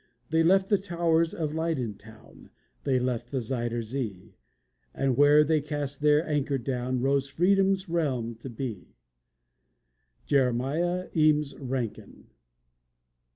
They left the towers of Leyden town, They left the Zuyder Zee; And where they cast their anchor down, Rose Freedom's realm to be. JEREMIAH EAMES RANKIN.